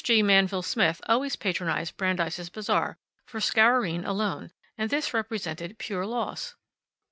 G. Manville Smith always patronized Brandeis' Bazaar for Scourine alone, and thus represented pure loss.